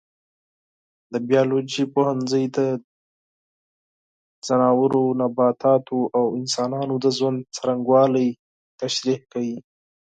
د بیولوژي پوهنځی د ځناورو، نباتاتو او انسانانو د ژوند څرنګوالی تشریح کوي.